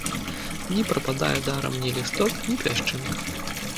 Не прападае дарам ні лісток, ні пясчынка.